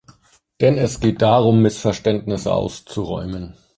Denn es geht darum, Missverständnisse auszuräumen.